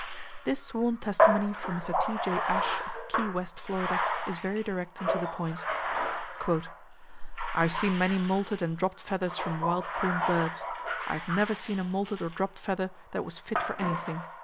This sworn testimony from Mr. T.J. Ashe, of Key West, Florida, is very direct and to the point: "I have seen many moulted and dropped feathers from wild plumed birds. I have never seen a moulted or dropped feather that was fit for anything.